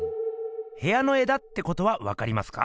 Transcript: へやの絵だってことはわかりますか？